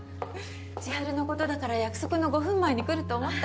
千晴のことだから約束の５分前に来ると思った。